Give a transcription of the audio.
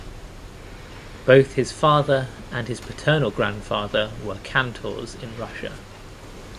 Both his father and his paternal grandfather were cantors in Russia.